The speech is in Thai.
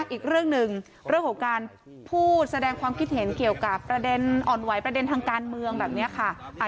อีกเรื่องหนึ่งเรื่องของการพูดแสดงความคิดเห็นเกี่ยวกับประเด็นอ่อนไหวประเด็นทางการเมืองแบบนี้ค่ะ